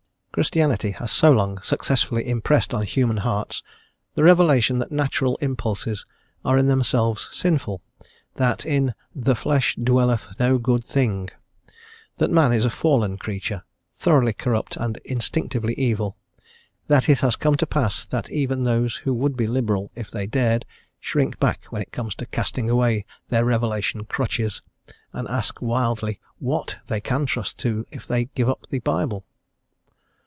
Christianity has so long successfully impressed on human hearts the revelation that natural impulses are in themselves sinful, that in "the flesh dwelleth no good thing," that man is a fallen creature, thoroughly corrupt and instinctively evil, that it has come to pass that even those who would be liberal if they dared, shrink back when it comes to casting away their revelation crutches, and ask wildly what they can trust to if they give up the Bible.